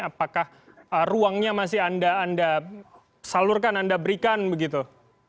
apakah ruangnya masih anda salurkan anda berikan begitu